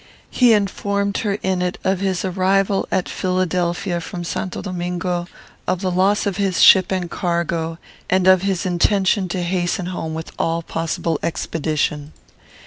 He informed her in it of his arrival at Philadelphia from St. Domingo; of the loss of his ship and cargo; and of his intention to hasten home with all possible expedition.